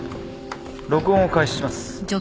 録音を開始します。